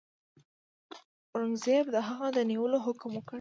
اورنګزېب د هغه د نیولو حکم وکړ.